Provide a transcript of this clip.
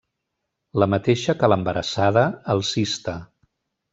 La mateixa que l'Embarassada alcista.